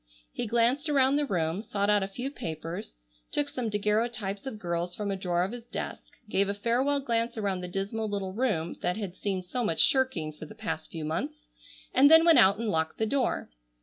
He glanced around the room, sought out a few papers, took some daguerreotypes of girls from a drawer of his desk, gave a farewell glance around the dismal little room that had seen so much shirking for the past few months, and then went out and locked the door.